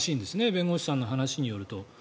弁護士さんの話によると。